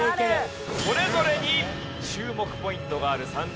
それぞれに注目ポイントがある３人が残りました。